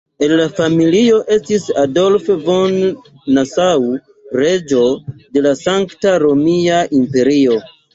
El la familio estis Adolf von Nassau, reĝo de la Sankta Romia Imperio.